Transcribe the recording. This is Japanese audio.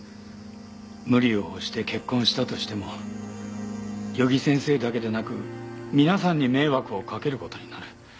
無理をして結婚したとしても余木先生だけでなく皆さんに迷惑を掛けることになる。